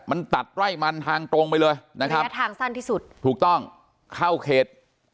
มันตัดไร่มันทางตรงไปเลยนะครับและทางสั้นที่สุดถูกต้องเข้าเขต